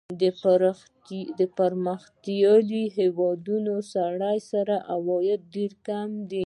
د پرمختیايي هېوادونو سړي سر عاید ډېر کم دی.